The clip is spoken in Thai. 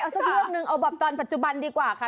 สักเรื่องหนึ่งเอาแบบตอนปัจจุบันดีกว่าค่ะ